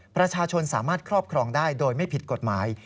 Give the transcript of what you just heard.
ประชาชนสามารถครอบครองได้โดยไม่ผิดกฎหมาย